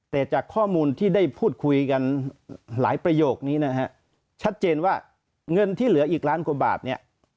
แต่จากข้อมูลที่ได้พูดคุยกันหลายประโยคนี้นะฮะชัดเจนว่าเงินที่เหลืออีกล้านกว่าบาทเนี่ย